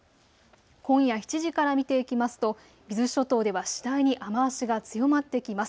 今夜７時から見ていきますと伊豆諸島では次第に雨足が強まってきます。